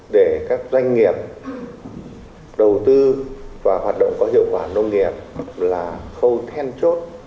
để các doanh nghiệp đầu tư và hoạt động có hiệu quả nông nghiệp là khâu then chốt